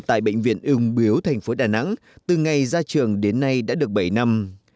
tại bệnh viện ung biếu thành phố đà nẵng từ ngày ra trường đến nay đã được bảy năm